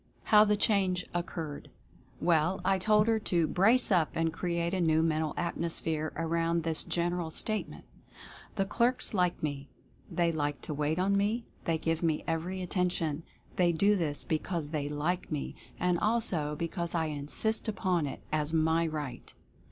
HOW THE CHANGE OCCURRED. Well, I told her to "brace up" and create a new Mental Atmosphere, around this general Statement: "The clerks like me; they like to wait on me; they give me every attention; they do this because they LIKE me, and also because I INSIST UPON IT as my Right